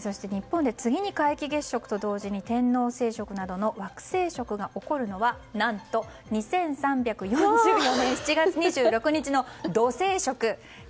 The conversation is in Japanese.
そして日本で次に皆既月食と同時に天王星食などの惑星食が起こるのは何と、２３４４年７月２６日の土星食。